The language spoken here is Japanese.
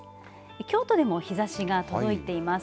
京都でも日ざしが届いています。